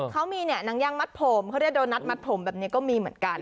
เขามีเนี่ยหนังย่างมัดผมเขาเรียกโดนัทมัดผมแบบนี้ก็มีเหมือนกัน